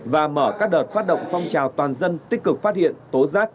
và mở các đợt phát động phong trào toàn dân tích cực phát hiện tố giác